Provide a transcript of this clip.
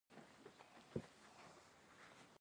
هغوی باوري وو چې بنسټونه اقتصادي انګېزې رامنځته کوي.